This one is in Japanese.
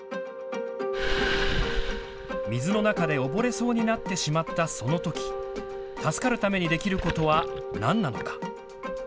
水の中で溺れそうになってしまったそのとき、助かるためにできることは何なのか。